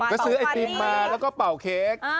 ก็ซื้อไอติมมาแล้วก็เป่าเค้ก